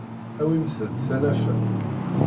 Awimt-d tanafa.